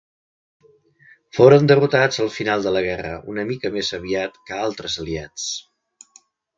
Foren derrotats al final de la guerra una mica més aviat que altres aliats.